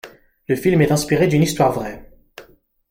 Le film est inspiré d'une histoire vraie.